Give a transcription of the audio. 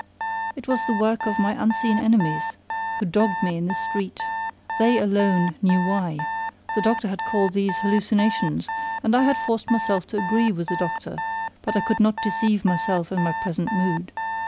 It was the work of my unseen enemies, who dogged me in the street; they alone knew why; the doctor had called these hallucinations, and I had forced myself to agree with the doctor; but I could not deceive myself in my present mood.